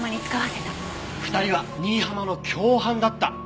２人は新浜の共犯だった。